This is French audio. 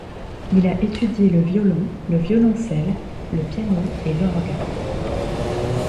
Il a étudié le violon, le violoncelle, le piano et l'orgue.